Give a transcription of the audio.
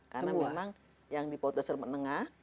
karena memang yang di paut dasar menengah